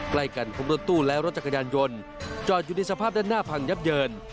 ใกล้กันพบรถตู้และรถจักรยานยนต์จอดอยู่ในสภาพด้านหน้าพังยับเยิน